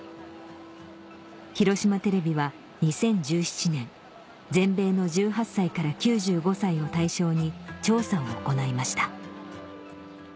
広島テレビは２０１７年全米の１８歳から９５歳を対象に調査を行いました